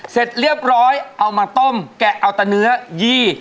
เสร็จเรียบร้อยเอามาต้มแกะเอาตะเนื้อยี่